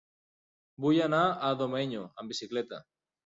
Vull anar a Domenyo amb bicicleta.